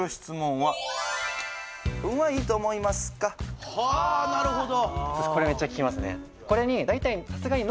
はあなるほど！